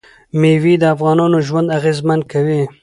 مېوې د افغانانو ژوند اغېزمن کوي.